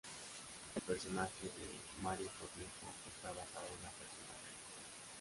El personaje de Mario Cornejo está basado en una persona real.